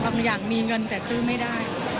บางอย่างมีเงินแต่ซื้อไม่ได้